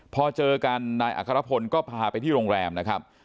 พอเจอกันนายอัครพลก็พาไปที่โรงแรมนะครับ